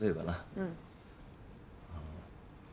うん。